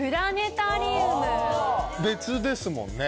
別ですもんね。